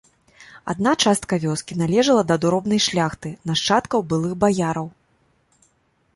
Адна частка вёскі належала да дробнай шляхты, нашчадкаў былых баяраў.